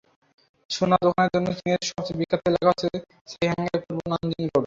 সোনার দোকানের জন্য চীনের সবচেয়ে বিখ্যাত এলাকা হচ্ছে সাংহাইয়ের পূর্ব নানজিং রোড।